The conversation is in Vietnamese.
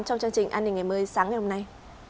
trong chương trình an ninh ngày mới sáng ngày hôm nay